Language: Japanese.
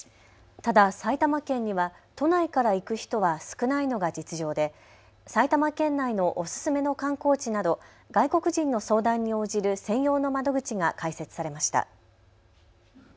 ただ埼玉県には都内から行く人は少ないのが実情で埼玉県内のおすすめの観光地など外国人の相談に応じる専用の窓口が開設されました。